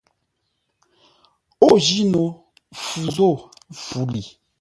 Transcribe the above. Ô jí no fu zô fu li.